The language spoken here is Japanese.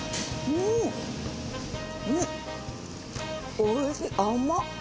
おいしい甘っ。